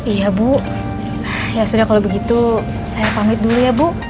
iya bu ya sudah kalau begitu saya pamit dulu ya bu